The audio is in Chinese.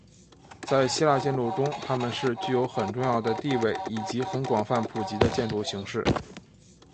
在希腊建筑中他们是具有很重要的地位以及很广泛普及的建筑形式。